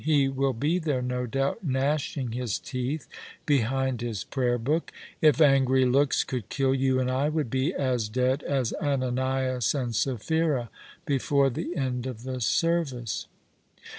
He will be there, no doubt, gnashing his teeth behind his prayer book. If angry looks could kill, you and I would be as dead as Ananias and Sapphira before the end of the service."